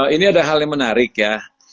ini ada hal yang menarik ya